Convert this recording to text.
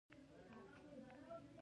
امریکا ته هم وچې میوې ځي.